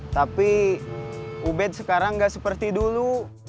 tapi ubed sekarang gak seperti dulu